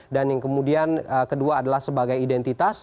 dan yang kemudian kedua adalah sebagai identitas